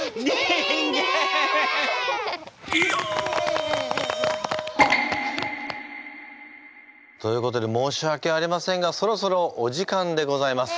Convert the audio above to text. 人間！ということで申し訳ありませんがそろそろお時間でございます。